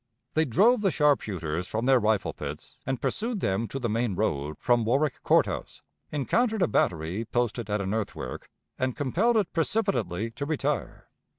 They drove the sharpshooters from their rifle pits and pursued them to the main road from Warwick Court House, encountered a battery posted at an earthwork, and compelled it precipitately to retire.